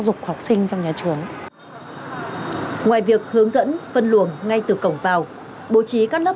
dục học sinh trong nhà trường ngoài việc hướng dẫn phân luồng ngay từ cổng vào bố trí các lớp